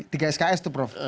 tiga sks tuh prof